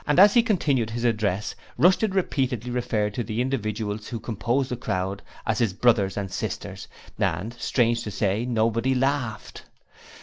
As he continued his address, Rushton repeatedly referred to the individuals who composed the crowd as his 'Brothers and Sisters' and, strange to say, nobody laughed.